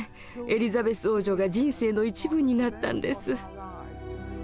エリザベス王女が人生の一部になったんです。